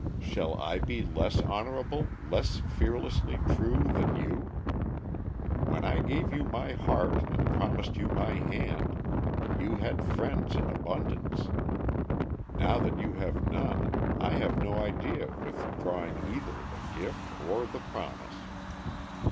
Shall I be less honorable, less fearlessly true than you? When I gave you my heart and promised you my hand, you had friends in abundance. Now that you have none, I have no idea of withdrawing either the gift or the promise.